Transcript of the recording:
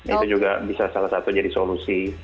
itu juga bisa salah satu jadi solusi